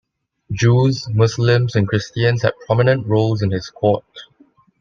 Jews, Muslims, and Christians had prominent roles in his court.